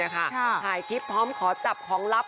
ถ่ายคลิปพร้อมขอจับของลับ